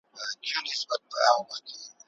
مائر وويل چي دا يوه اوږدمهاله پروسه ده.